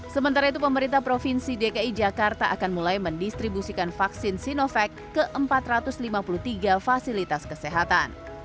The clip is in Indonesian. sementara itu pemerintah provinsi dki jakarta akan mulai mendistribusikan vaksin sinovac ke empat ratus lima puluh tiga fasilitas kesehatan